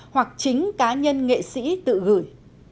hoặc chính cá nhân nghệ sĩ tự gửi